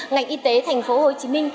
ngành y tế tp hcm